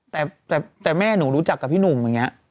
แต่แม่หนูรู้จักกับพี่หนุ่มอย่างนี้